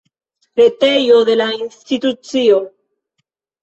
Retejo de la institucio.